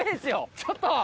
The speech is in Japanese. ちょっと！